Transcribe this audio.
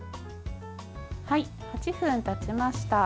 ８分たちました。